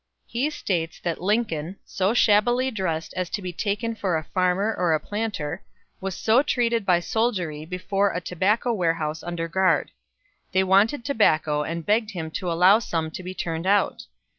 He states that Lincoln, so shabbily dressed as to be taken for a farmer or planter, was so treated by soldiery before a tobacco warehouse under guard. They wanted tobacco, and begged him to allow some to be turned out.